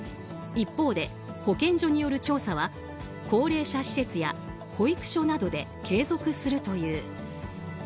一方で、保健所による調査は高齢者施設や保育所などで継続するという。